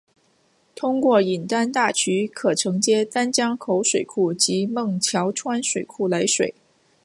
通过引丹大渠可承接丹江口水库及孟桥川水库来水。